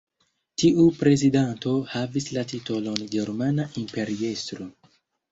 Tiu prezidanto havis la titolon Germana Imperiestro.